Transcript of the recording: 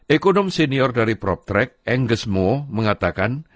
ekonom senior dari proptrack angus moore mengatakan